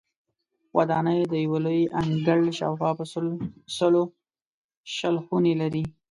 ودانۍ د یو لوی انګړ شاوخوا په سلو شل خونې لري.